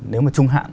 nếu mà trung hạn